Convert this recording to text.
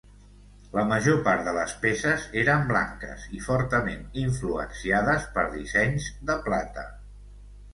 La major part de les peces eren blanques i fortament influenciades per dissenys de plata.